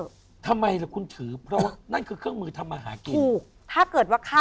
ใช่ถูก